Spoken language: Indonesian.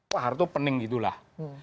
pak harto pening gitu lah